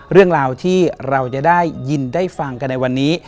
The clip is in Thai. เรื่องราวที่เราจะได้ยินได้ฟังกันในวันนี้